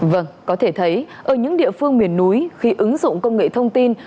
vâng có thể thấy ở những địa phương miền núi khi ứng dụng công nghệ thông tin